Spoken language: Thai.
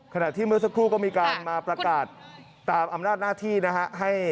ขณะที่เมื่อสักครู่ก็มีการมาประกาศตามอำนาจหน้าที่นะฮะ